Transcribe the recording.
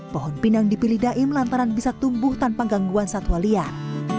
pohon pinang dipilih daim lantaran bisa tumbuh tanpa gangguan satwa liar